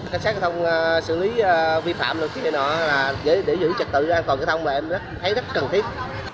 cảnh sát giao thông xử lý vi phạm là để giữ trật tự an toàn giao thông và em thấy rất cần thiết